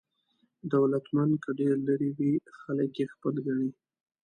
دولتمند که ډېر لرې وي خلک یې خپل ګڼي.